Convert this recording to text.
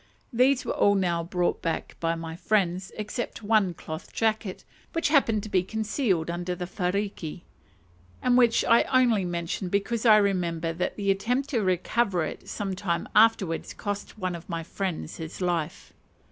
These were all now brought back by my friends, except one cloth jacket, which happened to be concealed under the whariki; and which I only mention because I remember that the attempt to recover it some time afterwards cost one of my friends his life.